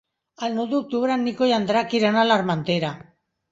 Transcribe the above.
El nou d'octubre en Nico i en Drac iran a l'Armentera.